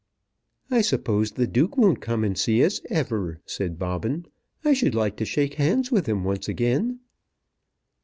"I suppose the Duke won't come and see us ever," said Bobbin. "I should like to shake hands with him once again."